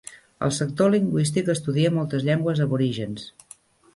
El sector lingüístic estudia moltes llengües aborígens.